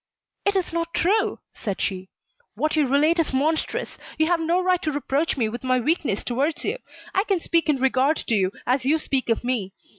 "It is not true," said she. "What you relate is monstrous. You have no right to reproach me with my weakness towards you. I can speak in regard to you, as you speak of me.